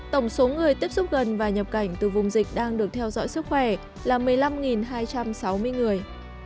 tổng số người tiếp xúc gần và nhập cảnh từ vùng dịch đang được theo dõi sức khỏe là một mươi năm hai trăm sáu mươi người